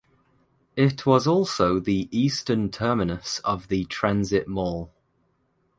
It was also the eastern terminus of the transit mall.